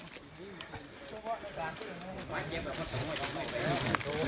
ไหนล่างเท้า